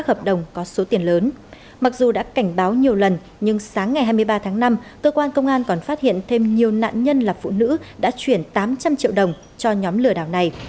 thời điểm từ tháng bốn năm cơ quan công an còn phát hiện thêm nhiều nạn nhân là phụ nữ đã chuyển tám trăm linh triệu đồng cho nhóm lừa đảo này